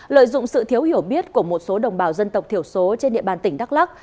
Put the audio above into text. lợi dụng sự thiếu hiểu biết của một số đồng bào dân tộc thiểu số trên địa bàn tỉnh đắk lắc